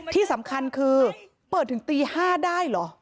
ที่สำคัญคือเปิดถึงตี๕ได้เหรอ